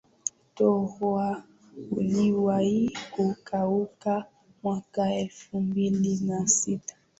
mto ruaha uliwahi kukauka mwaka elfu mbili na sita